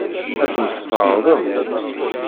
Ad sent-t-tɛeṛḍem?